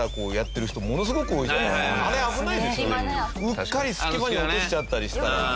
うっかり隙間に落としちゃったりしたら。